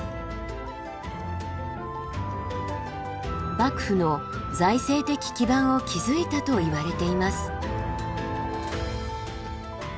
幕府の財政的基盤を築いたといわれています。